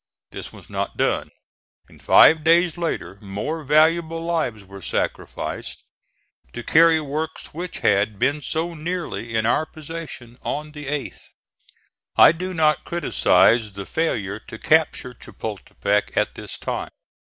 This was not done, and five days later more valuable lives were sacrificed to carry works which had been so nearly in our possession on the 8th. I do not criticise the failure to capture Chapultepec at this time.